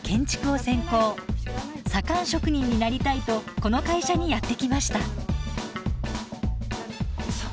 左官職人になりたいとこの会社にやって来ました。